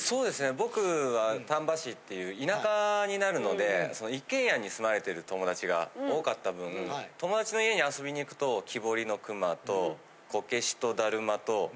僕は丹波市っていう田舎になるのでその一軒家に住まれてる友達が多かった分友達の家に遊びに行くと木彫りの熊とこけしとだるまと。